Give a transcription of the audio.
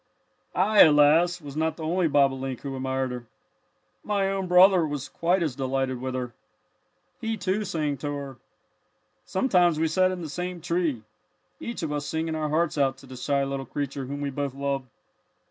"I, alas, was not the only bobolink who admired her. My own brother was quite as delighted with her. He, too, sang to her. "Sometimes we sat in the same tree, each of us singing our hearts out to the shy little creature whom we both loved.